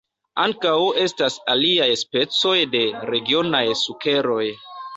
Ankaŭ estas aliaj specoj de regionaj sukeroj.